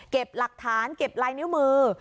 หลักฐานเก็บลายนิ้วมือ